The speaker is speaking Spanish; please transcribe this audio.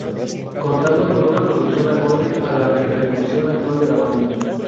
Contando con una producción acorde a la repercusión actual de la banda.